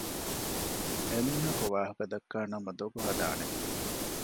އެމީހަކު ވާހަކަދައްކާ ނަމަ ދޮގު ހަދާނެ